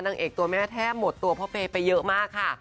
นางเอกตัวแม่แทบหมดตัวพ่อเปย์ไปเยอะมากค่ะ